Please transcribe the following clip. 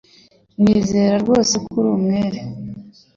Nizera rwose ko ari umwere.